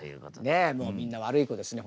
ねえもうみんな悪い子ですね